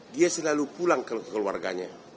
dia selalu pulang ke keluarganya